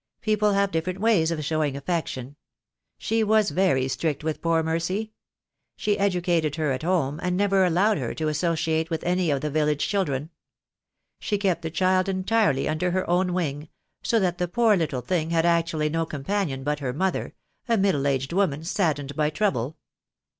People have different ways of show ing affection. She was very strict with poor Mercy. She educated her at home, and never allowed her to associate with any of the village children. She kept the child entirely under her own wing, so that the poor little thing had actually no companion but her mother, a middle aged woman, saddened by trouble.